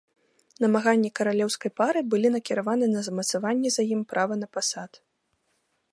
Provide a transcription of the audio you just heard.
Намаганні каралеўскай пары былі накіраваны на замацаванне за ім права на пасад.